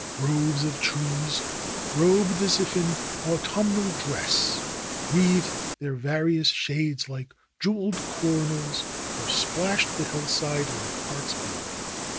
Groves of trees, robed as if in autumnal dress, wreathed their varied shades like jew eled coronals or splashed the hillside like heart's blood.